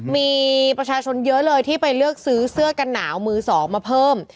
มีประชาชนเยอะเลยที่ไปเลือกซื้อเสื้อกันหนาวมือสองมาเพิ่ม